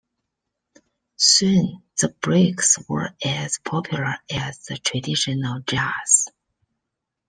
Soon the breaks were as popular as the traditional jazz.